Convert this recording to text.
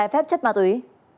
trái phép chất ma túy